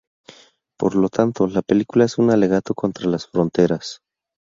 Por lo tanto, la película es un alegato contra las fronteras.